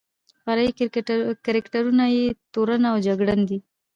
فرعي کرکټرونه یې تورن او جګړن دي.